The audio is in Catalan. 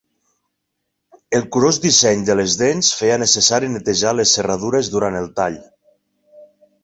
El curós disseny de les dents feia necessari netejar les serradures durant el tall.